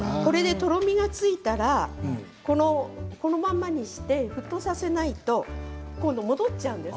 とろみがついたらこのままにして沸騰させないと戻ってしまうんです。